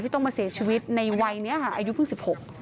ต้องมาเสียชีวิตในวัยนี้ค่ะอายุเพิ่งสิบหก